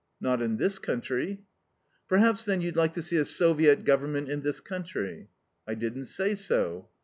"Not in this country." "Perhaps, then, you'd like to see a Soviet Government in this country?" "I didn't say so."